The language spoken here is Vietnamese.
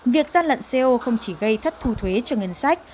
việc gian lận co không chỉ gây thất thu thuế cho ngân sách